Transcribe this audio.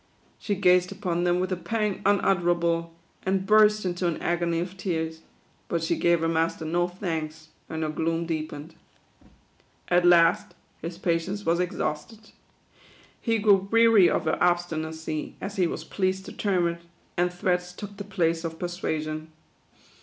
She gazed upon them with a pang un utterable, and burst into an agony of tears ; but she gave her master no thanks, and her gloom deepened. At last his patience was exhausted. He grew THE QUADROONS. weary of her obstinacy y as he was pleased to term it ; and threats took the place of persuasion.